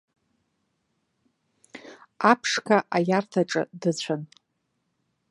Аԥшқа аиарҭаҿы дыцәан.